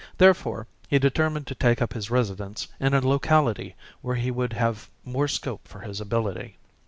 Therefore he determined to take up his residence in a locality where he would have more scope for his ability.